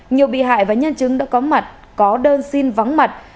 nhiều bị hại và nhân chứng đã có mặt có đơn xin vắng mặt